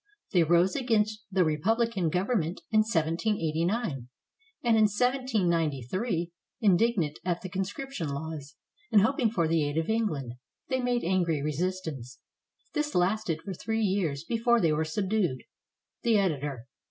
They rose against the Repubhcan Government in 1789; and in 1793, indignant at the conscription laws, and hoping for the aid of England, they made angry resistance. This lasted for three years before they were subdued. The Editor.